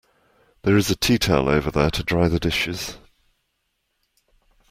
There is a tea towel over there to dry the dishes